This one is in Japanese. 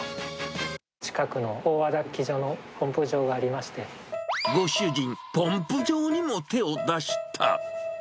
近くの大和田機場のポンプ場ご主人、ポンプ場にも手を出した。